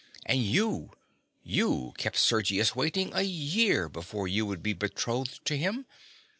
And you—you kept Sergius waiting a year before you would be betrothed to him.